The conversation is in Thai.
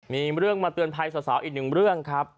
มีเรื่องมาเตือนภัยสาวอีกหนึ่งเรื่องครับ